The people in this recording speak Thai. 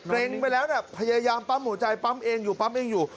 ลงไปแล้วนะพยายามปั๊มหัวใจปั๊มเองอยู่ปั๊มเองอยู่